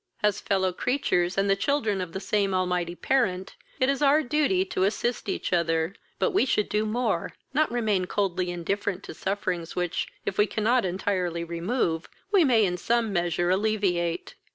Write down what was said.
As fellow creatures, and the children of the same Almighty Parent, it is our duty to assist each other; but we should do more, not remain coldly indifferent to sufferings which, if we cannot entirely remove, we may in some measure alleviate."